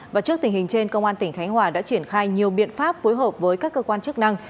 và trước tình hình trên công an tỉnh khánh hòa đã triển khai nhiều biện pháp phối hợp với các cơ quan chức năng